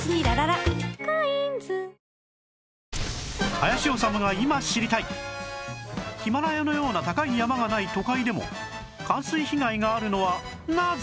林修が今知りたいヒマラヤのような高い山がない都会でも冠水被害があるのはなぜ？